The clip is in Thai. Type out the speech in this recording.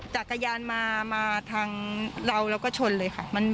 จักรยานมาทางเราแล้วก็ชนเลยค่ะ